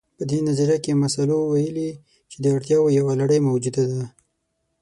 په دې نظريه کې مسلو ويلي چې د اړتياوو يوه لړۍ موجوده ده.